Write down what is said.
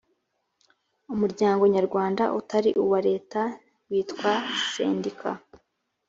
umuryango nyarwanda utari uwa leta witwa sendika